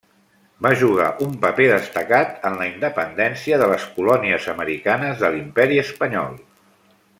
Va jugar un paper destacat en la independència de les colònies americanes de l'Imperi Espanyol.